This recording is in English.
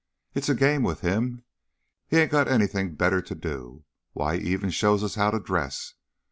It's a game with him. He 'ain't got anything better to do. Why, he even shows us how to dress!